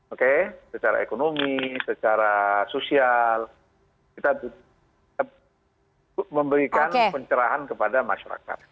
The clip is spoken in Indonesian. oke secara ekonomi secara sosial kita memberikan pencerahan kepada masyarakat